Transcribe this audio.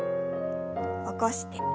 起こして。